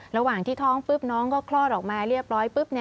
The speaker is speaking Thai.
ระหว่างที่ท้องปุ๊บน้องก็คลอดออกมาเรียบร้อยปุ๊บ